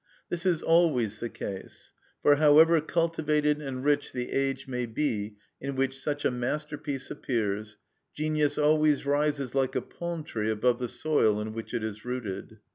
This is always the case; for however cultivated and rich the age may be in which such a masterpiece appears, genius always rises like a palm tree above the soil in which it is rooted.